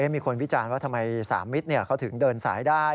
มีคนวิจารณ์ว่าทำไมสามมิตรเขาถึงเดินสายได้